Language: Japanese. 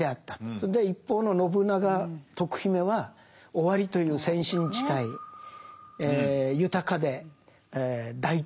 それで一方の信長徳姫は尾張という先進地帯豊かで大都会的ですよね。